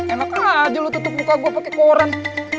emang aja lu tutup muka gue pake koran